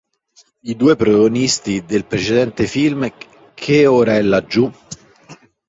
I due protagonisti del precedente film "Che ora è laggiù?